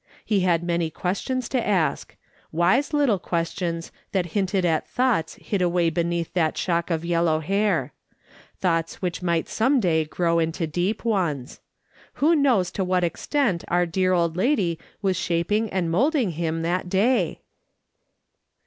He had many questions to ask ; wise little questions that hinted at thoughts hid away beneath that shock of yellow hair ; thoughts which might some day grow into deep ones, "Who knows to what extent our dear old lady was shaping and moulding them that day